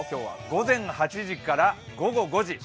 午前８時から午後５時。